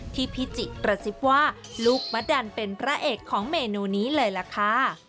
พี่จิกระซิบว่าลูกมะดันเป็นพระเอกของเมนูนี้เลยล่ะค่ะ